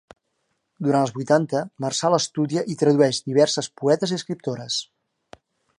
Durant els vuitanta, Marçal estudia i tradueix diverses poetes i escriptores.